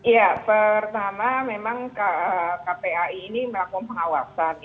ya pertama memang kpai ini melakukan pengawasan